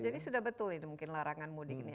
jadi sudah betul ini mungkin larangan modi